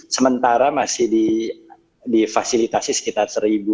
sementara masih di fasilitasi sekitar seribu